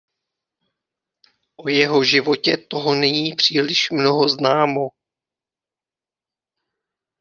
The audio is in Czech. O jeho životě toho není příliš mnoho známo.